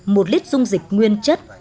một lít dung dịch nguyên chất